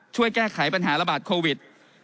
ช่วยแก้ไขปัญหาระบาดโควิด